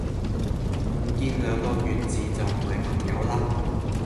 唔見兩個月字就唔係朋友啦